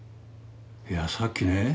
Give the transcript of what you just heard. いやさっきね